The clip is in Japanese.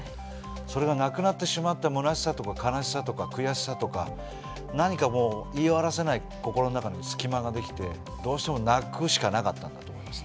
それがなくなってしまったむなしさとか悲しさとか悔しさとか何か言い表せない心の中の隙間ができてどうしても泣くしかなかったんだと思います。